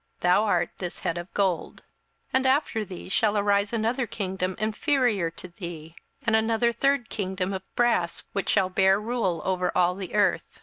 Thou art this head of gold. 27:002:039 And after thee shall arise another kingdom inferior to thee, and another third kingdom of brass, which shall bear rule over all the earth.